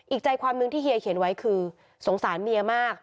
อีกใจความนึงที่เฮียเขียนไว้คือสงสารเมียมาก